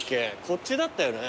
こっちだったよね